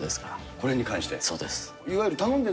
これに関して？